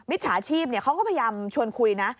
ทีนี้มิจฉาชีพเขาก็พยายามชวนคุยนะ